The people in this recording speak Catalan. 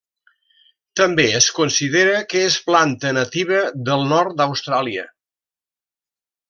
També es considera que és planta nativa del nord d'Austràlia.